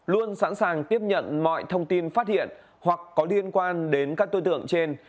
luôn sẵn sàng tiếp nhận mọi thông tin phát hiện hoặc có liên quan đến các tư tưởng trên